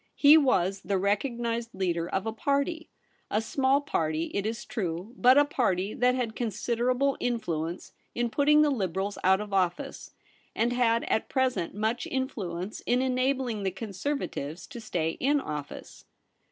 He was the recognised leader of a party ; a small party, it is true, but a party that had con siderable influence in putting the Liberals out of office, and had at present much influence in enabling the Conservatives to stay in office.